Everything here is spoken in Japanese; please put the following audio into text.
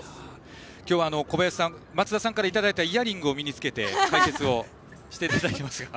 今日は小林さん松田さんからいただいたイヤリングを身に着けて解説をしていただきました。